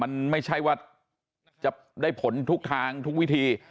มันไม่ใช่ว่าจะได้ผลทุกทางทุกวิธี